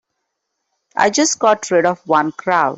I just got rid of one crowd.